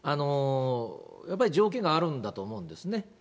やっぱり条件があるんだと思うんですね。